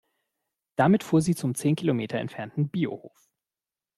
Damit fuhr sie zum zehn Kilometer entfernten Biohof.